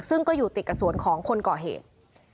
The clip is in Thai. ซึ่งก็อยู่ติดกับสวนของคนก่อเหตุ